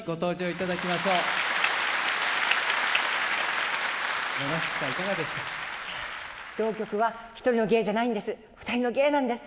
いや浪曲は１人の芸じゃないんです。